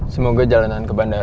semoga jalanan ke bandara gak macet